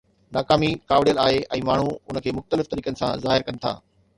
ناڪامي ڪاوڙيل آهي ۽ ماڻهو ان کي مختلف طريقن سان ظاهر ڪن ٿا.